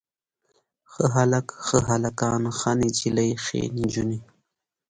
ښه هلک، ښه هلکان، ښه نجلۍ ښې نجونې.